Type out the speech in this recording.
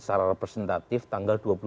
secara representatif tanggal dua puluh dua